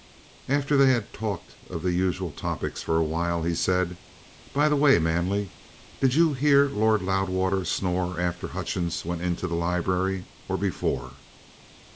After they had talked of the usual topics for a while, he said: "By the way, Manley, did you hear Lord Loudwater snore after Hutchings went into the library, or before?"